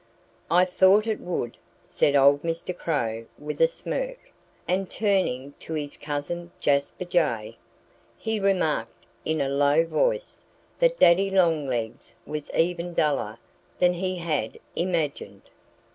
"I thought it would," said old Mr. Crow with a smirk. And turning to his cousin, Jasper Jay, he remarked in a low voice that Daddy Longlegs was even duller than he had imagined.